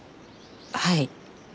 はい。